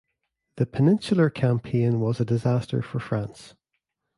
The peninsular campaign was a disaster for France.